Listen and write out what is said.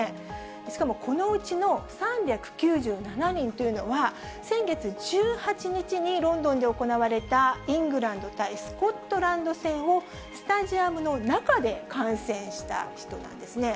しかもこのうちの３９７人というのは、先月１８日にロンドンで行われたイングランド対スコットランド戦を、スタジアムの中で観戦した人なんですね。